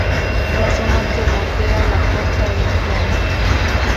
La zona que bordea la costa es llana.